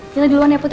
kita duluan ya put